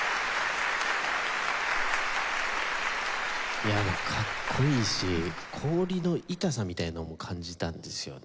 いやもうかっこいいし氷の痛さみたいなのも感じたんですよね。